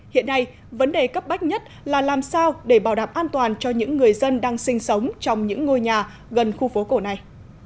hiện nay vấn đề cấp bách nhất là làm sao để bảo đảm an toàn cho những người dân đang sinh sống trong những ngôi nhà gần khu phố cổ này